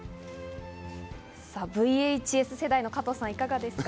ＶＨＳ世代の加藤さん、いかがですか？